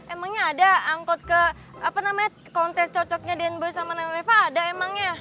emangnya ada angkot ke kontes cocoknya den boy sama reva ada emangnya